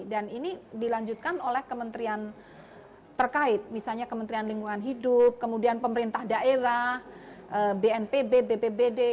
dan ini dilanjutkan oleh kementerian terkait misalnya kementerian lingkungan hidup kemudian pemerintah daerah bnpb bpbd